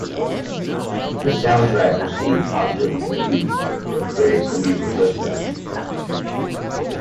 The soundtrack received positive reviews from critics and music listeners.